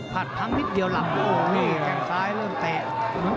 ผลัดพังนิดเดียวล่ะโอเคแข่งซ้ายเริ่มเตะ